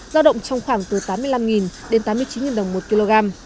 giao động trong khoảng từ tám mươi năm đến tám mươi chín đồng một kg